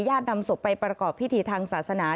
นำศพไปประกอบพิธีทางศาสนา